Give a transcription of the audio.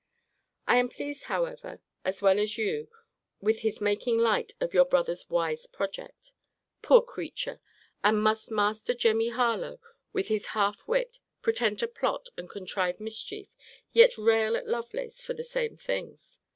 I am pleased, however, as well as you, with his making light of your brother's wise project. Poor creature! and must Master Jemmy Harlowe, with his half wit, pretend to plot, and contrive mischief, yet rail at Lovelace for the same things?